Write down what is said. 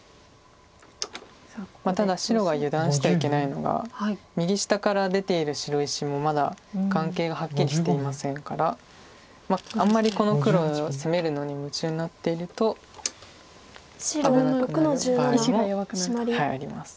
ただ白が油断してはいけないのが右下から出ている白石もまだ眼形がはっきりしていませんからあんまりこの黒を攻めるのに夢中になっていると危なくなる場合もあります。